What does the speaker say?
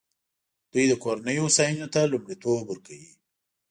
دوی د کورنیو هوساینې ته لومړیتوب ورکوي.